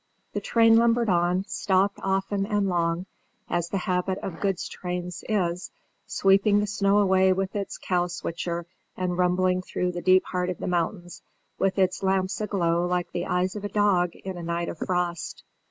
The train lumbered on, stopped often and long, as the habit of goods trains is, sweeping the snow away with its cow switcher, and rumbling through the deep heart of the mountains, with its lamps aglow like the eyes of a dog in a night of frost.